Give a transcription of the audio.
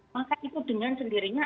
maka itu dengan sendirinya